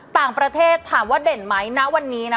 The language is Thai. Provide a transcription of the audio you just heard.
ต่างประเทศถามว่าเด่นไหมณวันนี้นะ